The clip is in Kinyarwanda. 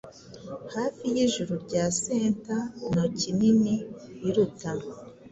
Hafi yijuru ryosenta ntoki-nini iruta